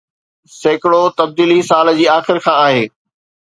سيڪڙو تبديلي سال جي آخر کان آهي